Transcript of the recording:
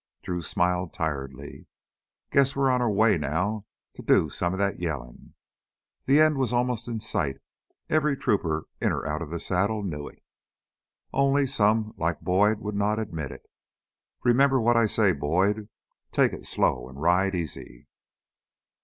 Drew smiled tiredly. "Guess we're on our way now to do some of that yellin'." The end was almost in sight; every trooper in or out of the saddle knew it. Only some, like Boyd, would not admit it. "Remember what I say, Boyd. Take it slow and ride easy!"